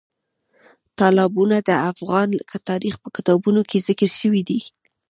تالابونه د افغان تاریخ په کتابونو کې ذکر شوي دي.